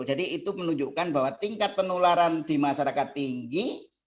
jadi itu menunjukkan bahwa tingkat penularan di masyarakat tinggi